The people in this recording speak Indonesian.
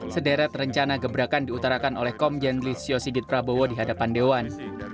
sederet rencana gebrakan diutarakan oleh komjen listio sigit prabowo di hadapan dewan